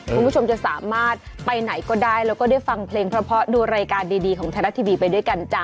คุณผู้ชมจะสามารถไปไหนก็ได้แล้วก็ได้ฟังเพลงเพราะดูรายการดีของไทยรัฐทีวีไปด้วยกันจ้ะ